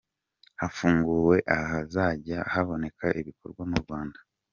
Hafunguwe ahazajya haboneka ibikorerwa mu Rwanda